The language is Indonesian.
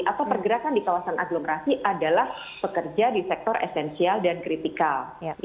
atau pergerakan di kawasan aglomerasi adalah pekerja di sektor esensial dan kritikal